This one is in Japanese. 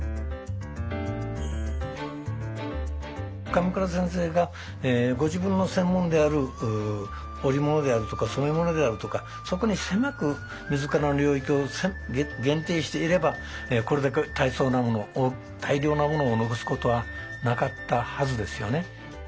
鎌倉先生がご自分の専門である織物であるとか染物であるとかそこに狭く自らの領域を限定していればこれだけ大層なものを大量なものを残すことはなかったはずですよね。